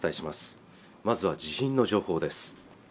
まずは地震の情報です